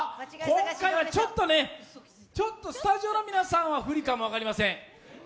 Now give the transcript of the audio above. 今回はちょっとスタジオの皆さんは不利かも分かりません。